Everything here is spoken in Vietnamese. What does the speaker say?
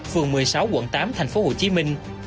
phường một mươi sáu quận tám thành phố hồ chí minh